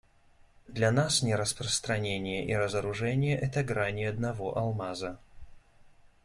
Для нас нераспространение и разоружение — это грани одного алмаза.